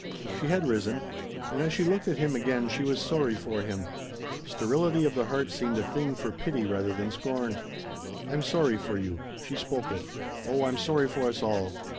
She had risen. And as she looked at him again she was sorry for him. Sterility of the heart seemed a thing for pity rather than scorn. "I'm sorry for you," she spoke it. "Oh I'm sorry for us all!